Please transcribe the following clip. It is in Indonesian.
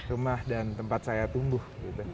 rumah dan tempat saya tumbuh